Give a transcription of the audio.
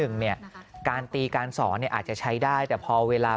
๑เนี่ยการตีการสอนอาจจะใช้ได้แต่พอเวลา